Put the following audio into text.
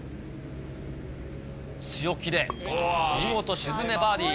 強気で、見事沈め、バーディー。